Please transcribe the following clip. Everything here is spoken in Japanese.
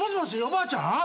おばあちゃん？